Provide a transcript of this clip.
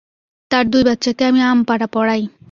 তার দুই বাচ্চাকে আমি আমপারা পড়াই।